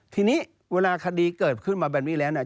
ทีนี้เวลาคดีเกิดขึ้นมาแบบนี้แล้วเนี่ย